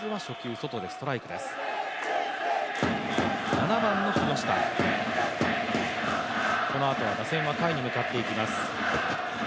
７番の木下、このあとは打線は下位に向かっていきます。